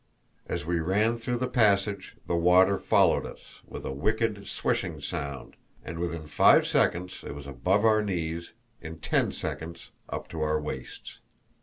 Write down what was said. As we ran through the passage, the water followed us, with a wicked swishing sound, and within five seconds it was above our knees; in ten seconds up to our waists.